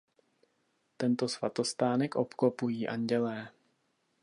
Tento svatostánek obklopují andělé.